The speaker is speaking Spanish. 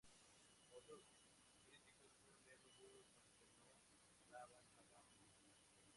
Otros críticos fueron menos duros, aunque no alaban a la película.